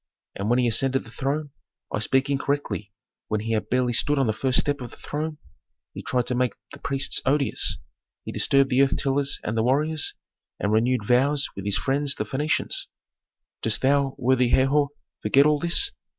And when he ascended the throne I speak incorrectly, when he had barely stood on the first step of the throne, he tried to make the priests odious; he disturbed the earth tillers and the warriors, and renewed vows with his friends the Phœnicians. "Dost thou, worthy Herhor, forget all this?